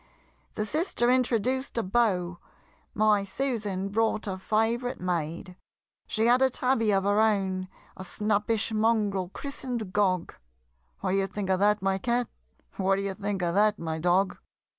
The sister introduced a Beau My Susan brought a favorite maid. She had a tabby of her own, A snappish mongrel christen'd Gog What d'ye think of that, my Cat? What d'ye think of that, my Dog?